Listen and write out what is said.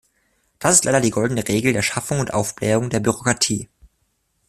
Das ist leider die goldene Regel der Schaffung und Aufblähung der Bürokratie.